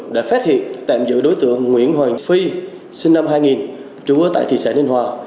đã phát hiện tạm giữ đối tượng nguyễn hoàng phi sinh năm hai nghìn trú ở tại thị xã ninh hòa